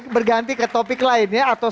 berganti ke topik lainnya atau